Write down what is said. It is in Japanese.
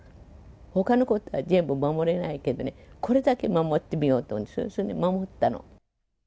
ほかのことは全部守れないけどね、これだけ守ってみようと思って、それで守ったの。